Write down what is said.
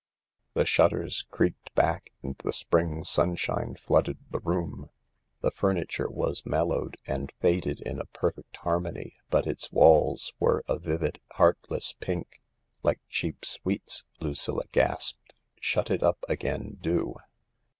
The shutters creaked back and the spring sunshine flooded the room. The furniture was mellowed and faded in a perfect harmony, but its walls were a vivid, heartless pink. "Like cheap sweets," Lucilla gasped. "Shut it up again, do."